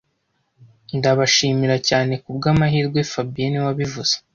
Ndabashimira cyane kubwamahirwe fabien niwe wabivuze